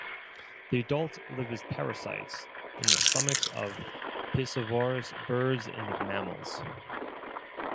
The adults live as parasites in the stomachs of piscivorous birds and mammals.